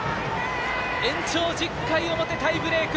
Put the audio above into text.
延長１０回表、タイブレーク。